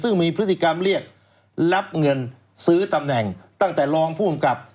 ซึ่งมีพฤติกรรมเรียกรับเงินซื้อตำแหน่งตั้งแต่รองผู้กำกับ